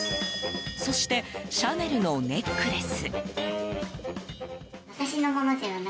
そして、シャネルのネックレス。